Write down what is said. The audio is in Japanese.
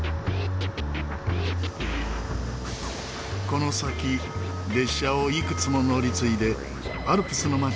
この先列車をいくつも乗り継いでアルプスの町